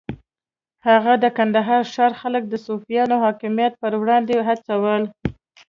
هغه د کندهار ښار خلک د صفویانو حاکمیت پر وړاندې وهڅول.